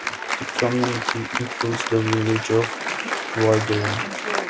The community includes the village of Gwytherin.